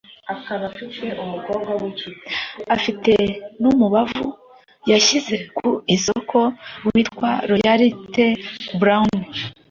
afite n'umubavu yashyize ku isoko witwa Royalty Brown